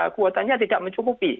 kuotanya tidak mencukupi